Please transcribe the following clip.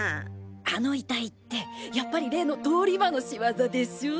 あの遺体ってやっぱり例の通り魔の仕業でしょ？